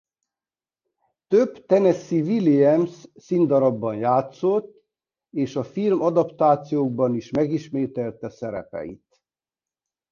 Több Tennessee Williams színdarabban játszott és a filmadaptációkban is megismételte szerepeit.